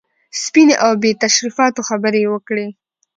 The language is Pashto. سپینې او بې تشریفاتو خبرې یې وکړې.